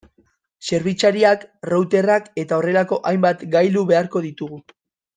Zerbitzariak, routerrak eta horrelako hainbat gailu beharko ditugu.